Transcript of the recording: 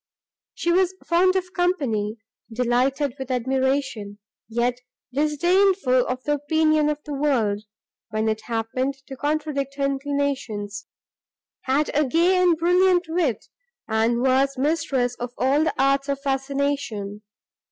She was fond of company, delighted with admiration, yet disdainful of the opinion of the world, when it happened to contradict her inclinations; had a gay and brilliant wit, and was mistress of all the arts of fascination.